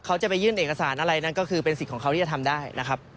เขาจะไปยื่นเอกสารอะไรนั้นก็คือเป็นสิทธิ์ของเขาที่จะทำได้นะครับ